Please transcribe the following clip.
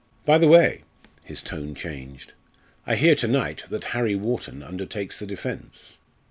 By the way " his tone changed "I hear to night that Harry Wharton undertakes the defence."